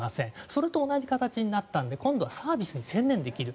それと同じ形になったので今度はサービスに専念できる。